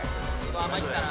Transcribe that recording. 参ったな。